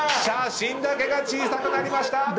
写真だけが小さくなりました！